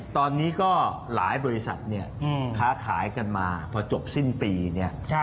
ตอนนี้ก็หลายบริษัทเนี่ยค้าขายกันมาพอจบสิ้นปีเนี่ย